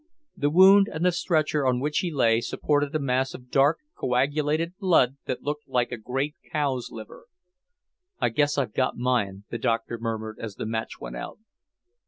The wound, and the stretcher on which he lay, supported a mass of dark, coagulated blood that looked like a great cow's liver. "I guess I've got mine," the Doctor murmured as the match went out.